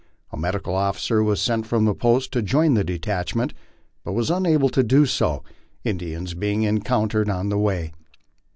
A medical officer was sent from the post to join the detachment, but was unable to do so, Indians being encountered on the way.